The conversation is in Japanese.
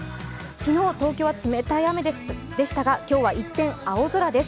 昨日、東京は冷たい雨でしたが、今日は一転、青空です。